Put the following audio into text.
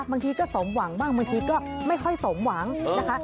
บางทีก็สมหวังบ้างบางทีก็ไม่ค่อยสมหวังนะคะ